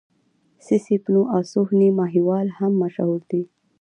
سسي پنو او سوهني ماهيوال هم مشهور دي.